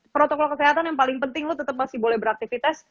protokol kesehatan yang paling penting lo tetap masih boleh beraktivitas